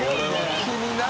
気になる。